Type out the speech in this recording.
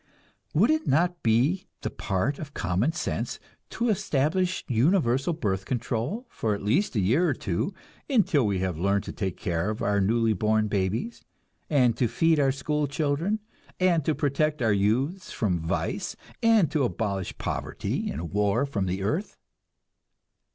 Would it not be the part of common sense to establish universal birth control for at least a year or two until we have learned to take care of our newly born babies, and to feed our school children, and to protect our youths from vice, and to abolish poverty and war from the earth?